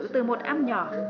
từ một am nhỏ